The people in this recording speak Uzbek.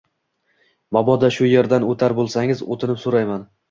Mabodo shu yerdan o ‘tar bo‘lsangiz, otinib so‘rayman